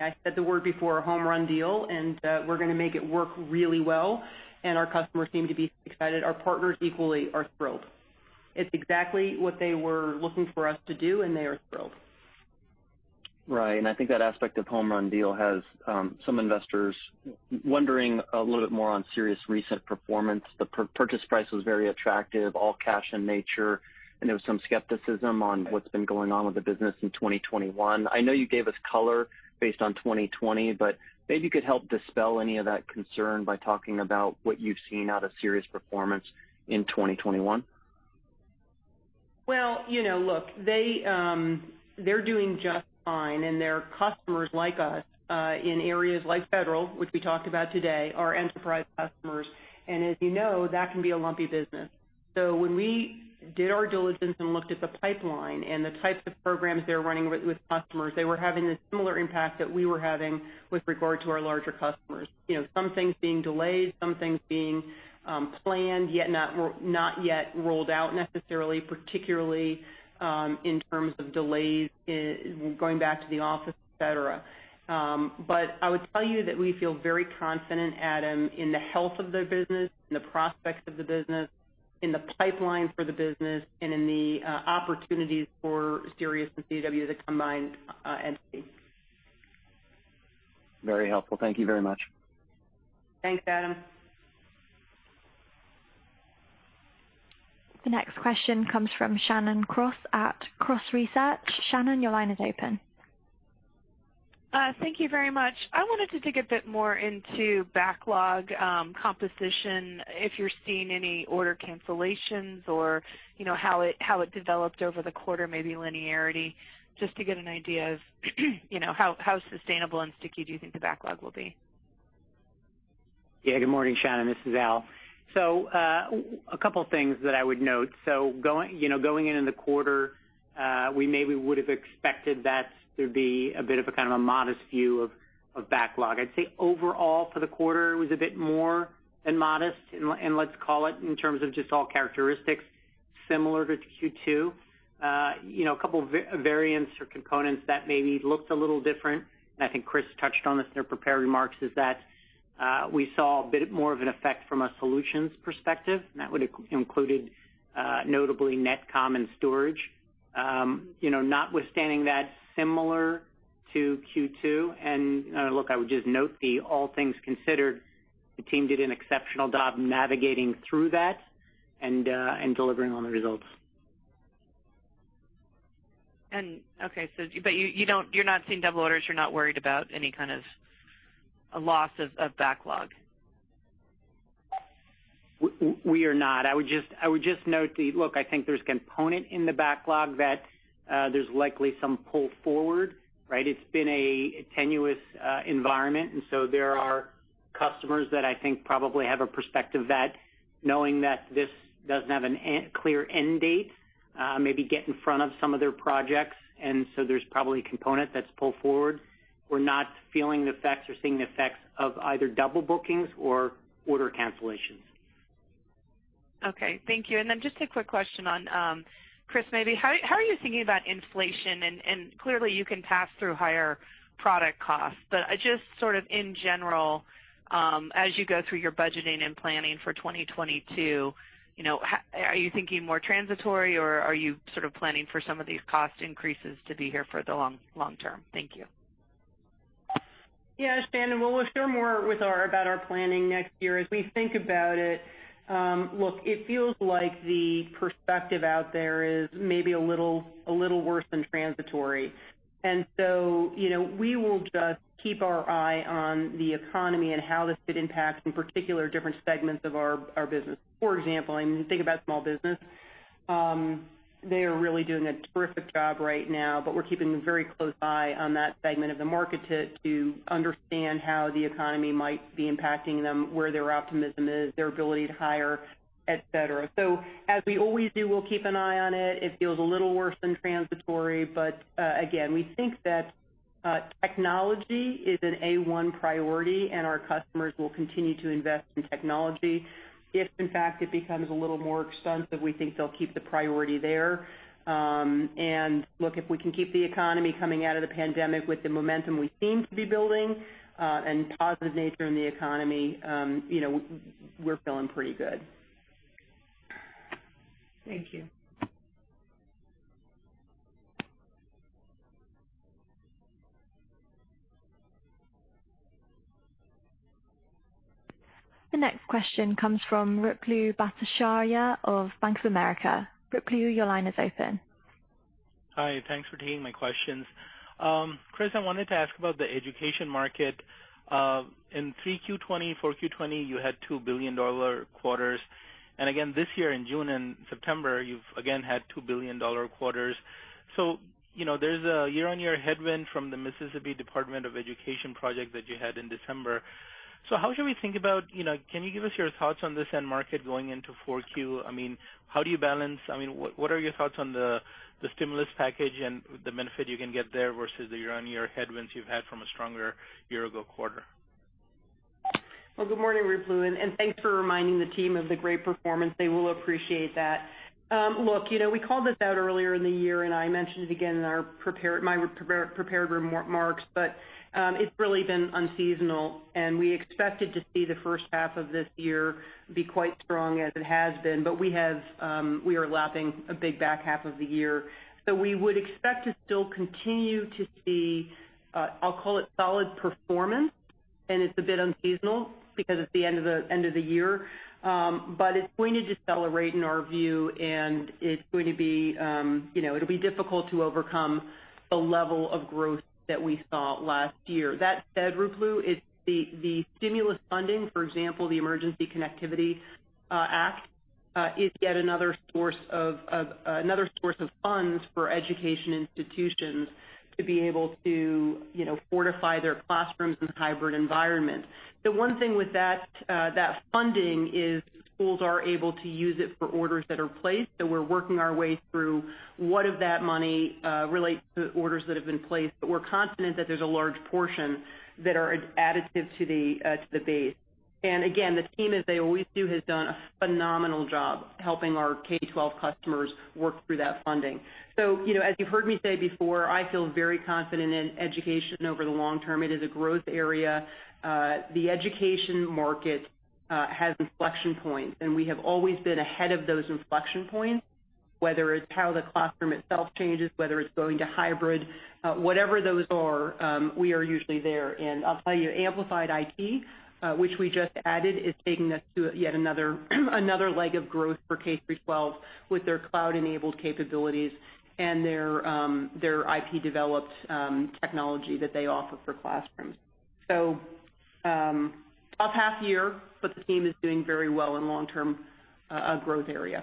I said the word before a home run deal, and we're gonna make it work really well. Our customers seem to be excited. Our partners equally are thrilled. It's exactly what they were looking for us to do, and they are thrilled. Right. I think that aspect of home run deal has some investors wondering a little bit more on Sirius recent performance. The purchase price was very attractive, all cash in nature, and there was some skepticism on what's been going on with the business in 2021. I know you gave us color based on 2020, but maybe you could help dispel any of that concern by talking about what you've seen out of Sirius performance in 2021. Well, you know, look, they're doing just fine, and their customers like us in areas like federal, which we talked about today, are enterprise customers. As you know, that can be a lumpy business. When we did our diligence and looked at the pipeline and the types of programs they're running with customers, they were having a similar impact that we were having with regard to our larger customers. You know, some things being delayed, some things being planned, yet not yet rolled out necessarily, particularly in terms of delays in going back to the office, et cetera. I would tell you that we feel very confident, Adam, in the health of their business and the prospects of the business, in the pipeline for the business, and in the opportunities for Sirius and CDW, the combined entity. Very helpful. Thank you very much. Thanks, Adam. The next question comes from Shannon Cross at Cross Research. Shannon, your line is open. Thank you very much. I wanted to dig a bit more into backlog composition. If you're seeing any order cancellations or, you know, how it developed over the quarter, maybe linearity, just to get an idea of, you know, how sustainable and sticky do you think the backlog will be? Yeah. Good morning, Shannon. This is Al. A couple of things that I would note. Going, you know, into the quarter, we maybe would have expected that to be a bit of a kind of a modest view of backlog. I'd say overall for the quarter, it was a bit more than modest, and let's call it in terms of just all characteristics similar to Q2. You know, a couple of variants or components that maybe looked a little different, and I think Chris touched on this in her prepared remarks, is that we saw a bit more of an effect from a solutions perspective, and that would have included, notably Netcom and storage. You know, notwithstanding that similar to Q2. Look, I would just note that all things considered, the team did an exceptional job navigating through that and delivering on the results. You're not seeing double orders. You're not worried about any kind of a loss of backlog. We are not. I would just note. Look, I think there's a component in the backlog that there's likely some pull forward, right? It's been a tenuous environment. There are customers that I think probably have a perspective that knowing that this doesn't have an end, clear end date, maybe get in front of some of their projects. There's probably a component that's pull forward. We're not feeling the effects or seeing the effects of either double bookings or order cancellations. Okay. Thank you. Then just a quick question on Chris, maybe. How are you thinking about inflation? Clearly you can pass through higher product costs. Just sort of in general, as you go through your budgeting and planning for 2022, you know, are you thinking more transitory or are you sort of planning for some of these cost increases to be here for the long term? Thank you. Yes, Shannon. Well, we'll share more with our, about our planning next year as we think about it. Look, it feels like the perspective out there is maybe a little worse than transitory. You know, we will just keep our eye on the economy and how this could impact, in particular, different segments of our business. For example, think about small business. They are really doing a terrific job right now, but we're keeping a very close eye on that segment of the market to understand how the economy might be impacting them, where their optimism is, their ability to hire, et cetera. As we always do, we'll keep an eye on it. It feels a little worse than transitory. Again, we think that technology is an A one priority, and our customers will continue to invest in technology. If in fact it becomes a little more expensive, we think they'll keep the priority there. Look, if we can keep the economy coming out of the pandemic with the momentum we seem to be building, and positive nature in the economy, you know, we're feeling pretty good. Thank you. The next question comes from Ruplu Bhattacharya of Bank of America. Ruplu, your line is open. Hi. Thanks for taking my questions. Chris, I wanted to ask about the education market. In 3Q 2020, 4Q 2020, you had two $2 billion quarters. Again, this year in June and September, you've again had two $2 billion quarters. You know, there's a year-over-year headwind from the Mississippi Department of Education project that you had in December. How should we think about, you know, can you give us your thoughts on this end market going into 4Q? I mean, how do you balance? I mean, what are your thoughts on the stimulus package and the benefit you can get there versus the year-over-year headwinds you've had from a stronger year ago quarter? Well, good morning, Ruplu, and thanks for reminding the team of the great performance. They will appreciate that. Look, you know, we called this out earlier in the year, and I mentioned it again in our prepared remarks. It's really been unseasonal, and we expected to see the H1 of this year be quite strong as it has been. We have, we are lapping a big back half of the year. We would expect to still continue to see, I'll call it solid performance, and it's a bit unseasonal because it's the end of the year. It's going to decelerate in our view, and it's going to be, you know, it'll be difficult to overcome the level of growth that we saw last year. That said, Ruplu, it's the stimulus funding, for example, the Emergency Connectivity Fund, is yet another source of funds for education institutions to be able to, you know, fortify their classrooms in hybrid environment. The one thing with that funding is schools are able to use it for orders that are placed. We're working our way through what of that money relates to orders that have been placed. But we're confident that there's a large portion that are additive to the base. The team, as they always do, has done a phenomenal job helping our K-12 customers work through that funding. You know, as you've heard me say before, I feel very confident in education over the long term. It is a growth area. The education market has inflection points, and we have always been ahead of those inflection points, whether it's how the classroom itself changes, whether it's going to hybrid, whatever those are, we are usually there. I'll tell you, Amplified IT, which we just added, is taking us to yet another leg of growth for K through 12 with their cloud-enabled capabilities and their their IT-developed technology that they offer for classrooms. Tough half year, but the team is doing very well in long-term growth area.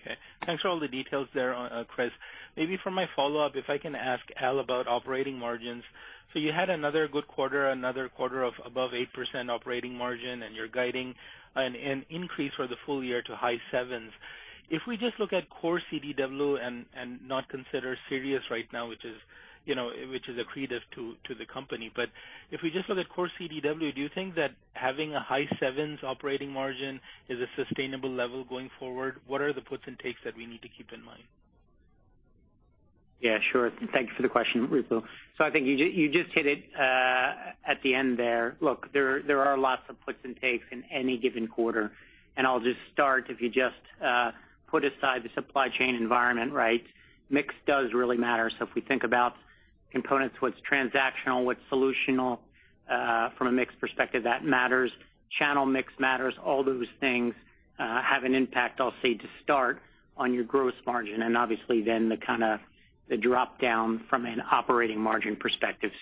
Okay. Thanks for all the details there, Chris. Maybe for my follow-up, if I can ask Al about operating margins. You had another good quarter, another quarter of above 8% operating margin, and you're guiding an increase for the full year to high 7s. If we just look at core CDW and not consider Sirius right now, which is, you know, which is accretive to the company. If we just look at core CDW, do you think that having a high 7s operating margin is a sustainable level going forward? What are the puts and takes that we need to keep in mind? Yeah, sure. Thank you for the question, Ruplu. I think you just hit it at the end there. Look, there are lots of puts and takes in any given quarter, and I'll just start. If you just put aside the supply chain environment, right, mix does really matter. If we think about components, what's transactional, what's solutional from a mix perspective, that matters. Channel mix matters. All those things have an impact, I'll say, to start on your gross margin and obviously then the kind of the drop-down from an operating margin perspective.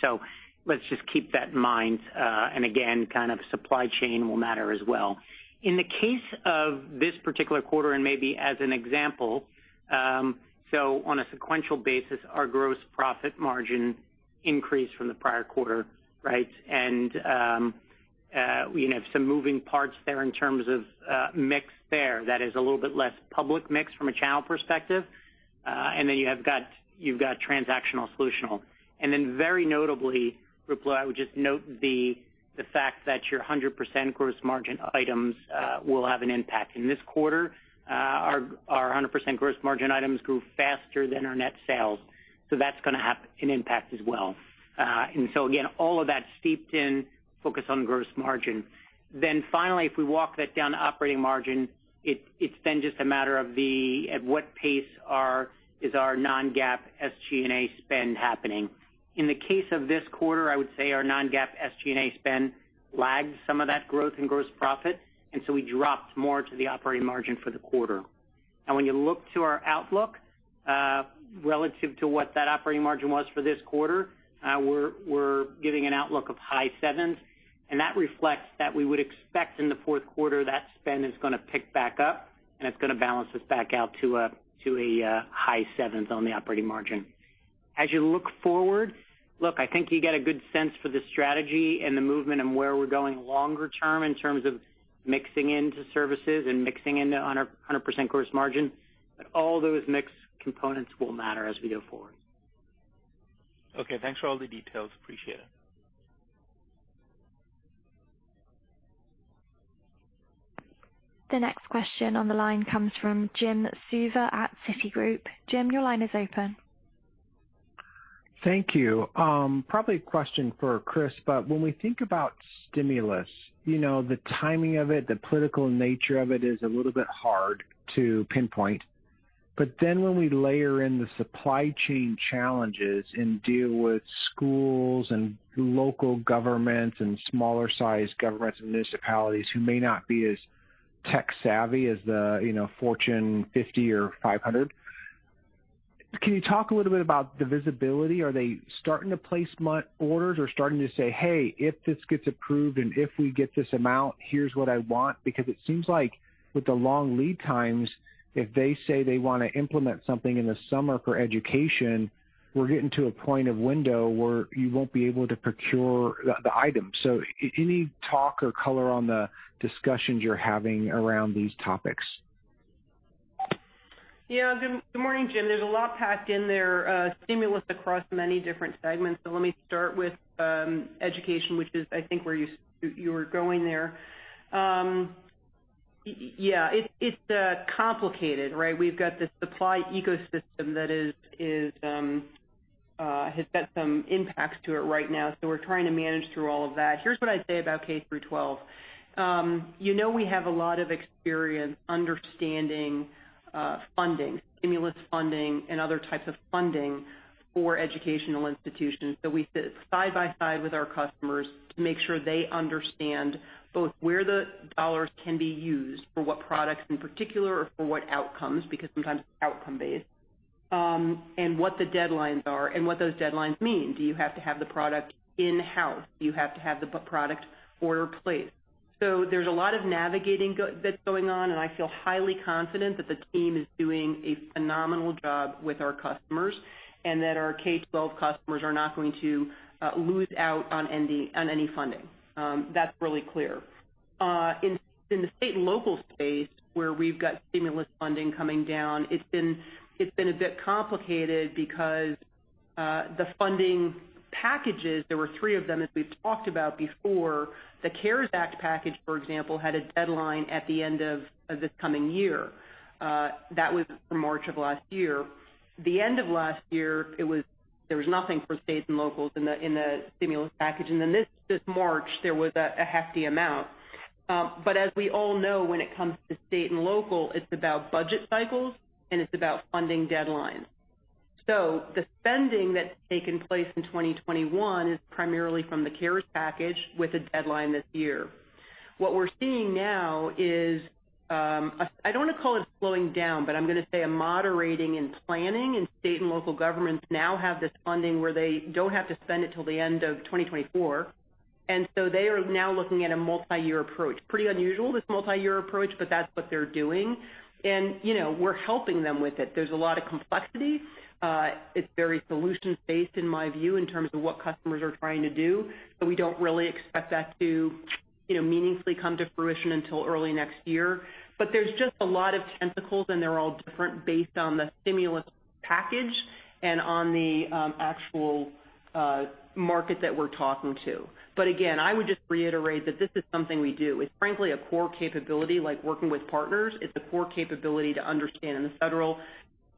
Let's just keep that in mind, and again, kind of supply chain will matter as well. In the case of this particular quarter, and maybe as an example, so on a sequential basis, our gross profit margin increased from the prior quarter, right? You know, some moving parts there in terms of mix there. That is a little bit less public mix from a channel perspective, and then you've got transactional solutional. Very notably, Ruplu, I would just note the fact that your 100% gross margin items will have an impact. In this quarter, our 100% gross margin items grew faster than our net sales. So that's gonna have an impact as well. Again, all of that steeped in focus on gross margin. Finally, if we walk that down to operating margin, it's then just a matter of at what pace is our non-GAAP SG&A spend happening. In the case of this quarter, I would say our non-GAAP SG&A spend lagged some of that growth in gross profit, and so we dropped more to the operating margin for the quarter. When you look to our outlook, relative to what that operating margin was for this quarter, we're giving an outlook of high sevens, and that reflects that we would expect in the Q4 that spend is gonna pick back up, and it's gonna balance us back out to a high sevens on the operating margin. As you look forward, I think you get a good sense for the strategy and the movement and where we're going longer term in terms of mixing into services and mixing into 100% gross margin, but all those mix components will matter as we go forward. Okay, thanks for all the details. Appreciate it. The next question on the line comes from Jim Suva at Citigroup. Jim, your line is open. Thank you. Probably a question for Chris, but when we think about stimulus, you know, the timing of it, the political nature of it is a little bit hard to pinpoint. When we layer in the supply chain challenges and deal with schools and local governments and smaller sized governments and municipalities who may not be as tech savvy as the, you know, Fortune 50 or 500, can you talk a little bit about the visibility? Are they starting to place orders or starting to say, "Hey, if this gets approved and if we get this amount, here's what I want." Because it seems like with the long lead times, if they say they wanna implement something in the summer for education, we're getting to a point of window where you won't be able to procure the items. Any talk or color on the discussions you're having around these topics? Yeah. Good morning, Jim. There's a lot packed in there, stimulus across many different segments. Let me start with education, which is I think where you were going there. Yeah, it's complicated, right? We've got this supply ecosystem that has got some impacts to it right now, so we're trying to manage through all of that. Here's what I'd say about K-12. You know we have a lot of experience understanding funding, stimulus funding and other types of funding for educational institutions. We sit side by side with our customers to make sure they understand both where the dollars can be used, for what products in particular or for what outcomes, because sometimes it's outcome-based, and what the deadlines are and what those deadlines mean. Do you have to have the product in-house? Do you have to have the product order placed? There's a lot of navigating that's going on, and I feel highly confident that the team is doing a phenomenal job with our customers and that our K-12 customers are not going to lose out on any funding. That's really clear. In the state and local space where we've got stimulus funding coming down, it's been a bit complicated because the funding packages, there were three of them as we've talked about before. The CARES Act package, for example, had a deadline at the end of this coming year. That was from March of last year. The end of last year, it was—there was nothing for states and locals in the stimulus package. This March, there was a hefty amount. As we all know, when it comes to state and local, it's about budget cycles and it's about funding deadlines. The spending that's taken place in 2021 is primarily from the CARES package with a deadline this year. What we're seeing now is I don't wanna call it slowing down, but I'm gonna say a moderating in planning, and state and local governments now have this funding where they don't have to spend it till the end of 2024. They are now looking at a multiyear approach. Pretty unusual, this multiyear approach, but that's what they're doing. You know, we're helping them with it. There's a lot of complexity. It's very solutions based, in my view, in terms of what customers are trying to do. We don't really expect that to, you know, meaningfully come to fruition until early next year. There's just a lot of tentacles, and they're all different based on the stimulus package and on the actual market that we're talking to. Again, I would just reiterate that this is something we do. It's frankly a core capability, like working with partners. It's a core capability to understand the federal,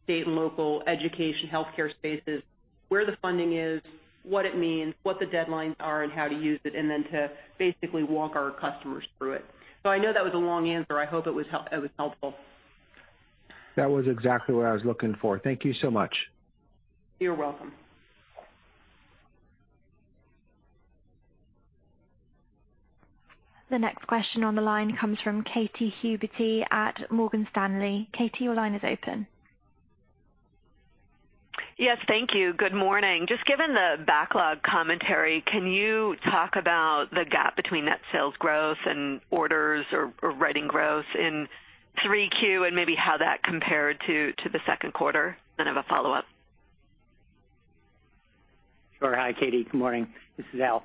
state, and local education, healthcare spaces, where the funding is, what it means, what the deadlines are and how to use it, and then to basically walk our customers through it. I know that was a long answer. I hope it was helpful. That was exactly what I was looking for. Thank you so much. You're welcome. The next question on the line comes from Katy Huberty at Morgan Stanley. Katy, your line is open. Yes, thank you. Good morning. Just given the backlog commentary, can you talk about the gap between that sales growth and orders or writing growth in 3Q and maybe how that compared to the Q2? I have a follow-up. Sure. Hi, Katy. Good morning. This is Al.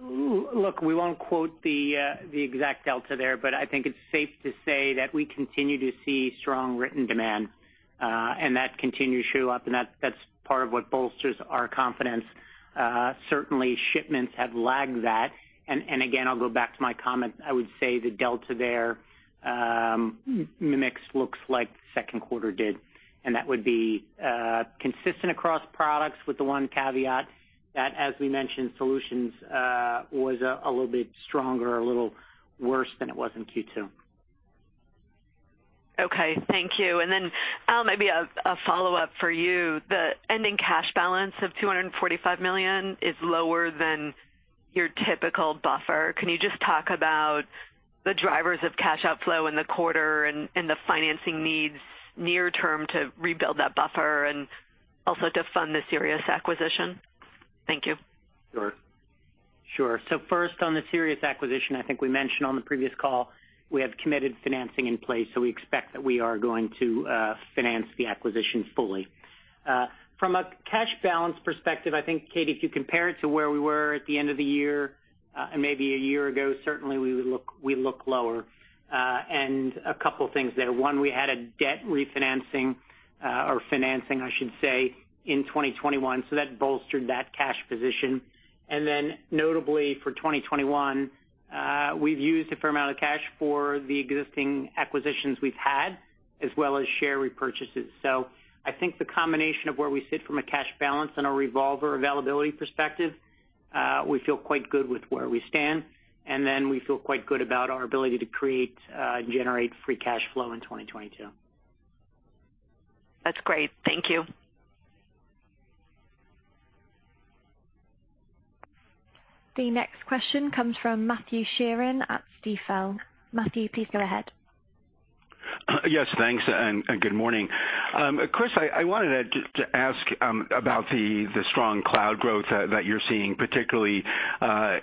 Look, we won't quote the exact delta there, but I think it's safe to say that we continue to see strong written demand, and that continues to show up, and that's part of what bolsters our confidence. Certainly shipments have lagged that. Again, I'll go back to my comment. I would say the delta there, mix looks like the Q2 did, and that would be consistent across products with the one caveat that, as we mentioned, solutions was a little bit stronger or a little worse than it was in Q2. Okay. Thank you. Then, Al, maybe a follow-up for you. The ending cash balance of $245 million is lower than your typical buffer. Can you just talk about the drivers of cash outflow in the quarter and the financing needs near term to rebuild that buffer and also to fund the Sirius acquisition? Thank you. Sure. First on the Sirius acquisition, I think we mentioned on the previous call we have committed financing in place, so we expect that we are going to finance the acquisition fully. From a cash balance perspective, I think, Katy, if you compare it to where we were at the end of the year and maybe a year ago, certainly we look lower. A couple things there. One, we had a debt refinancing or financing, I should say, in 2021, so that bolstered that cash position. Notably for 2021, we've used a fair amount of cash for the existing acquisitions we've had, as well as share repurchases. I think the combination of where we sit from a cash balance and a revolver availability perspective, we feel quite good with where we stand, and then we feel quite good about our ability to create, and generate free cash flow in 2022. That's great. Thank you. The next question comes from Matthew Sheerin at Stifel. Matthew, please go ahead. Yes, thanks, and good morning. Chris, I wanted to ask about the strong cloud growth that you're seeing, particularly,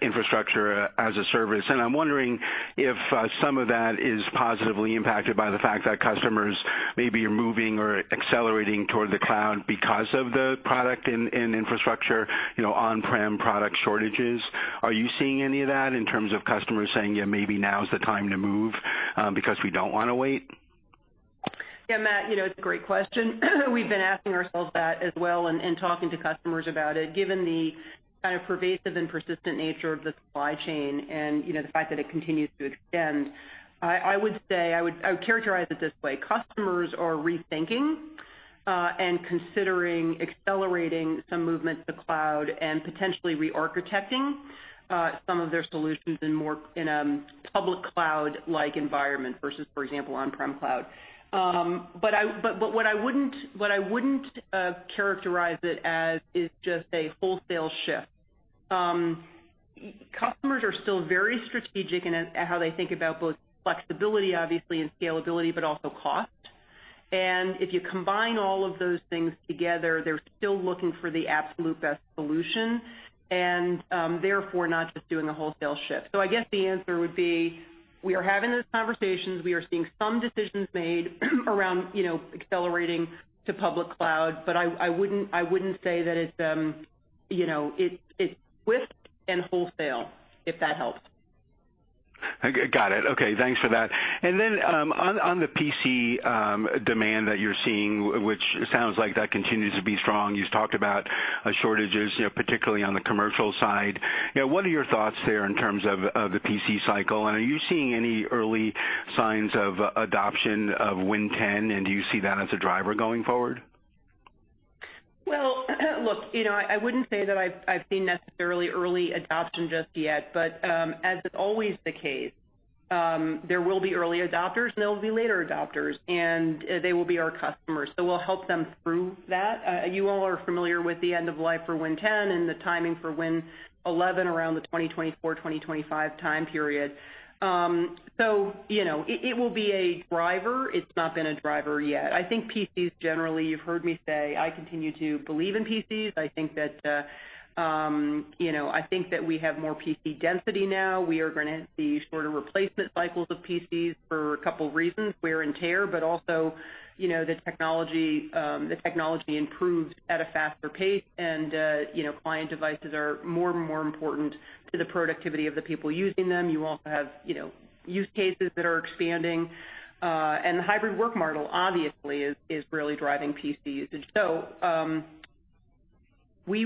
infrastructure as a service. I'm wondering if some of that is positively impacted by the fact that customers maybe are moving or accelerating toward the cloud because of the product and infrastructure, you know, on-prem product shortages. Are you seeing any of that in terms of customers saying, "Yeah, maybe now is the time to move, because we don't wanna wait? Yeah, Matt, you know, it's a great question. We've been asking ourselves that as well and talking to customers about it. Given the kind of pervasive and persistent nature of the supply chain and, you know, the fact that it continues to extend, I would say I would characterize it this way. Customers are rethinking and considering accelerating some movement to cloud and potentially re-architecting some of their solutions in more public cloud-like environment versus, for example, on-prem cloud. But what I wouldn't characterize it as is just a wholesale shift. Customers are still very strategic in how they think about both flexibility, obviously, and scalability, but also cost. If you combine all of those things together, they're still looking for the absolute best solution and, therefore not just doing a wholesale shift. I guess the answer would be, we are having those conversations. We are seeing some decisions made around, you know, accelerating to public cloud, but I wouldn't say that it's, you know, swift and wholesale, if that helps. Got it. Okay, thanks for that. Then, on the PC demand that you're seeing, which sounds like that continues to be strong, you talked about shortages, you know, particularly on the commercial side. You know, what are your thoughts there in terms of the PC cycle, and are you seeing any early signs of adoption of Win 10, and do you see that as a driver going forward? Well, look, you know, I wouldn't say that I've seen necessarily early adoption just yet, but as is always the case, there will be early adopters, and there will be later adopters, and they will be our customers. So we'll help them through that. You all are familiar with the end of life for Win 10 and the timing for Win 11 around the 2024, 2025 time period. So you know, it will be a driver. It's not been a driver yet. I think PCs generally, you've heard me say I continue to believe in PCs. I think that, you know, I think that we have more PC density now. We are gonna see sort of replacement cycles of PCs for a couple reasons, wear and tear, but also, you know, the technology improves at a faster pace, and, you know, client devices are more and more important to the productivity of the people using them. You also have, you know, use cases that are expanding, and the hybrid work model obviously is really driving PC usage. We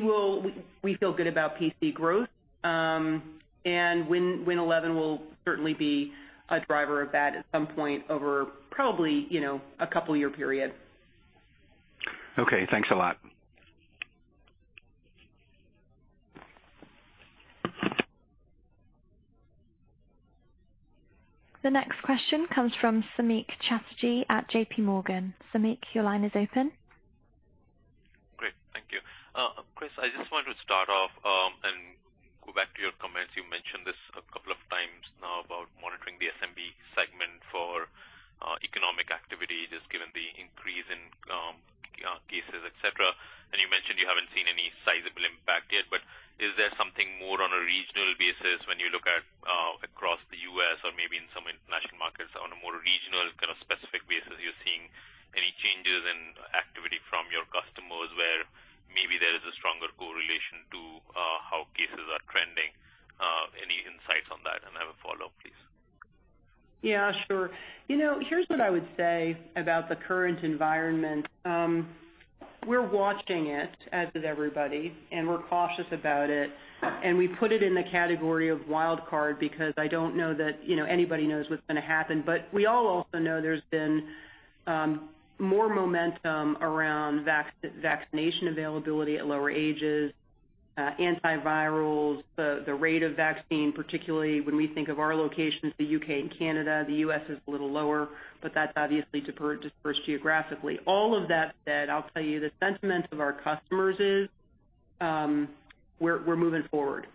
feel good about PC growth, and Windows 11 will certainly be a driver of that at some point over probably, you know, a couple-year period. Okay, thanks a lot. The next question comes from Samik Chatterjee at JPMorgan. Samik, your line is open. Great. Thank you. Chris, I just wanted to start off and go back to your comments. You mentioned this a couple of times now about monitoring the SMB segment for economic activity, just given the increase in cases, et cetera. You mentioned you haven't seen any sizable impact yet, but is there something more on a regional basis when you look at across the U.S. or maybe in some international markets on a more regional kind of specific basis, you're seeing any changes in activity from your customers where maybe there is a stronger correlation to how cases are trending? Any insights on that, and I have a follow-up, please. Yeah, sure. You know, here's what I would say about the current environment. We're watching it, as is everybody, and we're cautious about it. We put it in the category of wild card because I don't know that, you know, anybody knows what's gonna happen. We all also know there's been more momentum around vaccination availability at lower ages, antivirals, the vaccination rate, particularly when we think of our locations, the U.K. and Canada. The U.S. is a little lower, but that's obviously dispersed geographically. All of that said, I'll tell you the sentiment of our customers is, we're moving forward.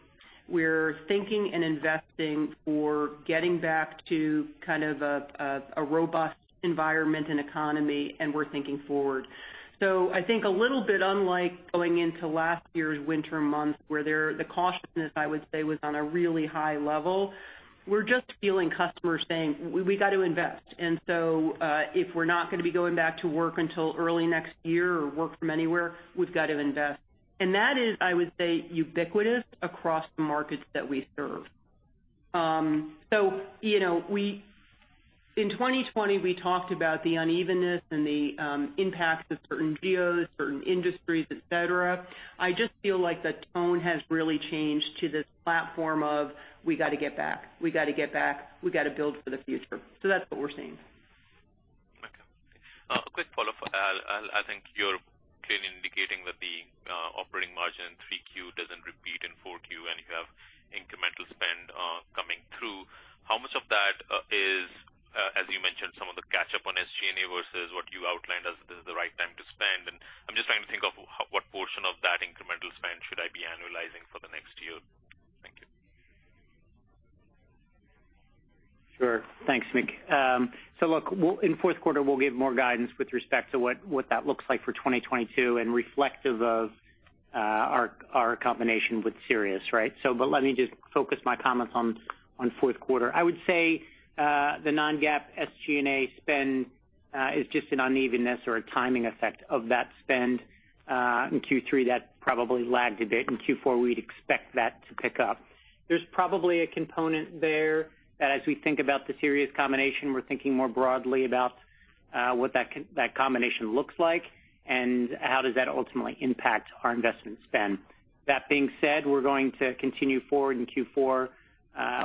We're thinking and investing for getting back to kind of a robust environment and economy, and we're thinking forward. I think a little bit unlike going into last year's winter months, where the cautiousness, I would say, was on a really high level, we're just feeling customers saying, "We got to invest. And so, if we're not gonna be going back to work until early next year or work from anywhere, we've got to invest." That is, I would say, ubiquitous across the markets that we serve. You know, in 2020, we talked about the unevenness and the impacts of certain geos, certain industries, et cetera. I just feel like the tone has really changed to this platform of, we gotta get back. We gotta get back. We gotta build for the future. That's what we're seeing. Okay. A quick follow-up. I'll end. You're clearly indicating that the operating margin in Q3 doesn't repeat in Q4, and you have incremental spend coming through. How much of that is, as you mentioned, some of the catch-up on SG&A versus what you outlined as this is the right time to spend? I'm just trying to think of what portion of that incremental spend should I be annualizing for the next year. Thank you. Sure. Thanks, Samik. Look, in Q4, we'll give more guidance with respect to what that looks like for 2022 and reflective of our combination with Sirius, right? Let me just focus my comments on Q4. I would say, the non-GAAP SG&A spend is just an unevenness or a timing effect of that spend. In Q3 that probably lagged a bit. In Q4, we'd expect that to pick up. There's probably a component there that as we think about the Sirius combination, we're thinking more broadly about what that combination looks like and how does that ultimately impact our investment spend. That being said, we're going to continue forward in Q4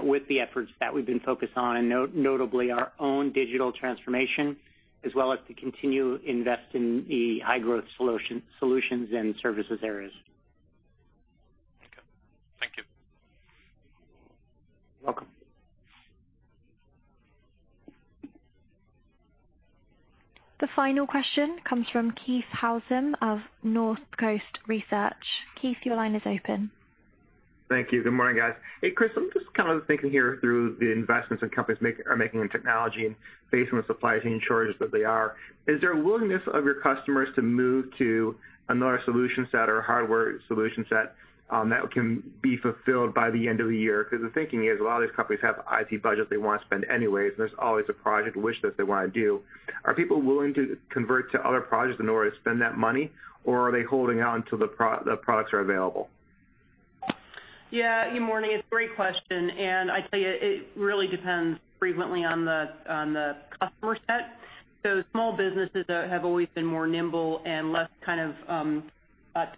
with the efforts that we've been focused on, notably our own digital transformation, as well as to continue invest in the high-growth solutions and services areas. Okay. Thank you. You're welcome. The final question comes from Keith Housum of Northcoast Research. Keith, your line is open. Thank you. Good morning, guys. Hey, Chris, I'm just kind of thinking here through the investments that companies are making in technology and based on the supply chain shortages that they are. Is there a willingness of your customers to move to another solution set or hardware solution set that can be fulfilled by the end of the year? Because the thinking is a lot of these companies have IT budgets they want to spend anyways, and there's always a project wish list they wanna do. Are people willing to convert to other projects in order to spend that money, or are they holding on till the products are available? Yeah. Good morning. It's a great question, and I tell you, it really depends frequently on the customer set. Small businesses have always been more nimble and less kind of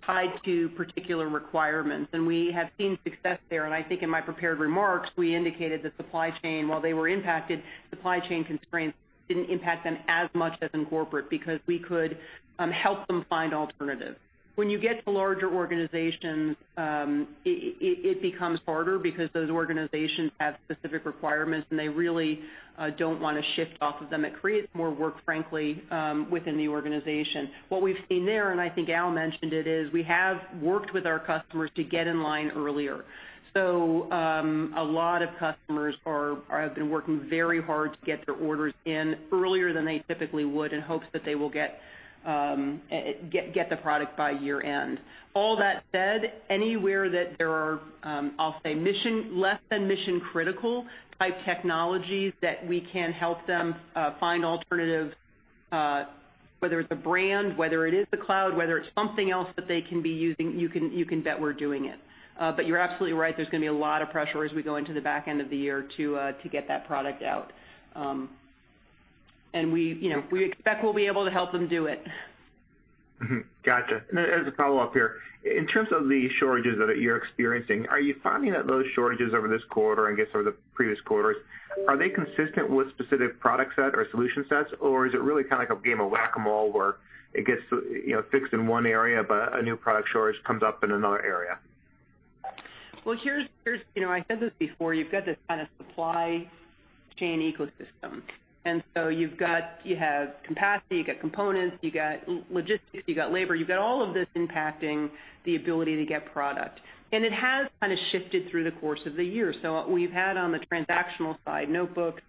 tied to particular requirements. We have seen success there. I think in my prepared remarks, we indicated that supply chain, while they were impacted, supply chain constraints didn't impact them as much as in corporate because we could help them find alternatives. When you get to larger organizations, it becomes harder because those organizations have specific requirements, and they really don't wanna shift off of them. It creates more work, frankly, within the organization. What we've seen there, and I think Al mentioned it, is we have worked with our customers to get in line earlier. A lot of customers have been working very hard to get their orders in earlier than they typically would in hopes that they will get the product by year-end. All that said, anywhere that there are less than mission-critical type technologies that we can help them find alternatives, whether it's a brand, whether it is the cloud, whether it's something else that they can be using, you can bet we're doing it. But you're absolutely right. There's gonna be a lot of pressure as we go into the back end of the year to get that product out. We, you know, expect we'll be able to help them do it. As a follow-up here, in terms of the shortages that you're experiencing, are you finding that those shortages over this quarter and I guess over the previous quarters, are they consistent with specific product set or solution sets, or is it really kinda like a game of Whac-A-Mole, where it gets, you know, fixed in one area, but a new product shortage comes up in another area? Well, here's. You know, I said this before. You've got this kinda supply chain ecosystem. You've got, you have capacity, you've got components, you got logistics, you got labor, you've got all of this impacting the ability to get product. It has kinda shifted through the course of the year. We've had on the transactional side, notebooks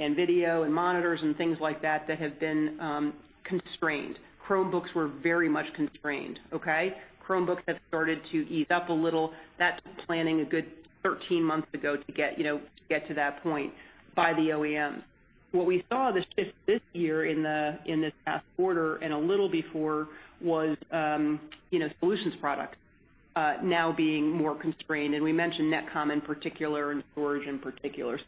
and video and monitors and things like that that have been constrained. Chromebooks were very much constrained, okay? Chromebooks have started to ease up a little. That's planning a good thirteen months ago to get, you know, to that point by the OEMs. What we saw the shift this year in this past quarter and a little before was solutions products now being more constrained, and we mentioned Netcom in particular and storage in particular.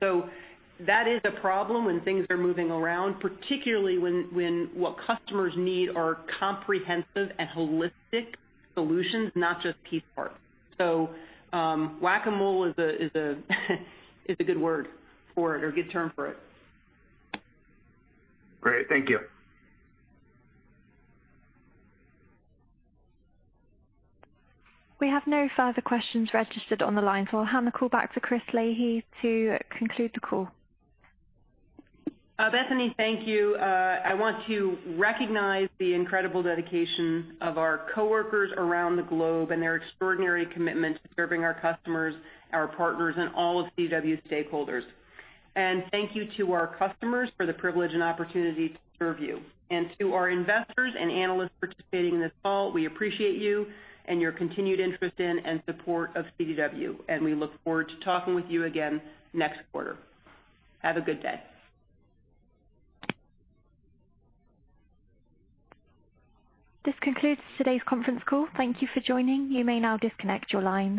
That is a problem when things are moving around, particularly when what customers need are comprehensive and holistic solutions, not just piece parts. Whac-A-Mole is a good word for it or good term for it. Great. Thank you. We have no further questions registered on the line, so I'll hand the call back to Chris Leahy to conclude the call. Bethany, thank you. I want to recognize the incredible dedication of our coworkers around the globe and their extraordinary commitment to serving our customers, our partners, and all of CDW stakeholders. Thank you to our customers for the privilege and opportunity to serve you. To our investors and analysts participating in this call, we appreciate you and your continued interest in and support of CDW, and we look forward to talking with you again next quarter. Have a good day. This concludes today's conference call. Thank you for joining. You may now disconnect your lines.